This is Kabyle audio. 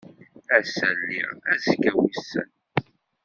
Ass-a lliɣ, azekka wissen.